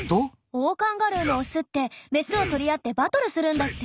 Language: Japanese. オオカンガルーのオスってメスを取り合ってバトルするんだって。